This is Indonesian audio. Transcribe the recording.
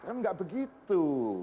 kan gak begitu